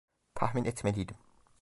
Tahmin etmeliydim.